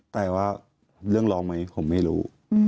กับเรื่องร้องมั้ยผมไม่รู้